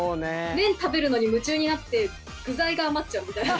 麺食べるのに夢中になって具材が余っちゃうみたいな。